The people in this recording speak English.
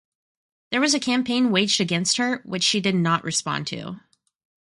There was a campaign waged against her, which she did not respond to.